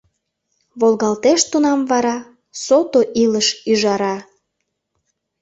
Волгалтеш тунам вара Сото илыш ӱжара.